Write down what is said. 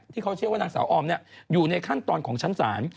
ที่เขาเชื่อว่านางสาวออมอยู่ในขั้นตอนของชั้นศาล